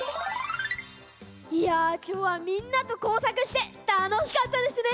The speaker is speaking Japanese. いやきょうはみんなとこうさくしてたのしかったですね。